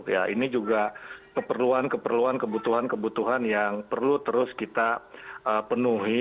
ya ini juga keperluan keperluan kebutuhan kebutuhan yang perlu terus kita penuhi